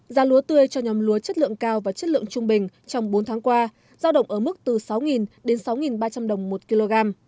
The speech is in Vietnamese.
giá lúa tươi cho nhóm lúa chất lượng cao và chất lượng trung bình trong bốn tháng qua giao động ở mức từ sáu đến sáu ba trăm linh đồng một kg